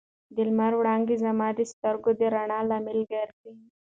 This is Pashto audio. د لمر وړانګې زما د سترګو د رڼا لامل ګرځي.